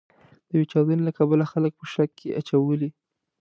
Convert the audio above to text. د یوې چاودنې له کبله خلک په شک کې اچولي.